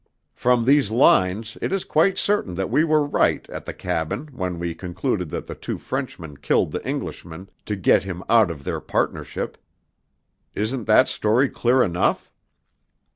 From these lines it is quite certain that we were right at the cabin when we concluded that the two Frenchmen killed the Englishman to get him out of the partnership. Isn't that story clear enough?"